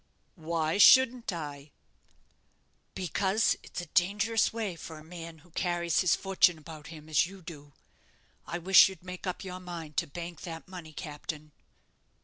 "Why shouldn't I?" "Because it's a dangerous way for a man who carries his fortune about him, as you do. I wish you'd make up your mind to bank that money, captain."